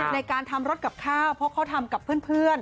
ในการทำรถกับข้าวเพราะเขาทำกับเพื่อน